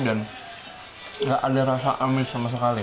dan nggak ada rasa amis sama sekali